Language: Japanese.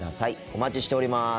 お待ちしております。